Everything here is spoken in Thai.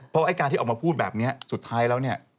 เพราะไอ้การที่ออกมาพูดแบบนี้สุดท้ายแล้วเนี่ย